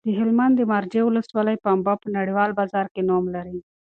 د هلمند د مارجې ولسوالۍ پنبه په نړیوال بازار کې نوم لري.